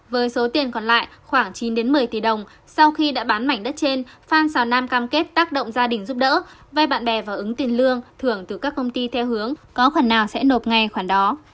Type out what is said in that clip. với số tiền còn lại khoảng chín một mươi tỷ đồng sau khi đã bán mảnh đất trên phan xào nam cam kết tác động gia đình giúp đỡ vay bạn bè và ứng tiền lương thưởng từ các công ty theo hướng có khả năng sẽ nộp ngay khoản đó